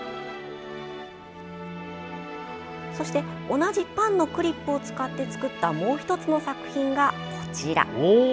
そして、同じパンのクリップを使って作ったもう１つの作品がこちら。